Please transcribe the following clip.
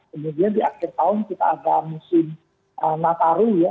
kemudian di akhir tahun kita ada musim nataru ya